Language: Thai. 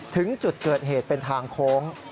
ถึงจุดเกิดเหตุเป็นทางโค้ง